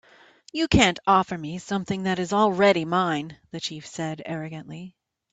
"You can't offer me something that is already mine," the chief said, arrogantly.